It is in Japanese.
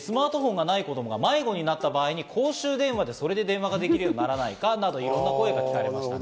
さらにスマートフォンがない子供が迷子になった場合に公衆電話でそれで電話ができるようにならないかという声も聞かれました。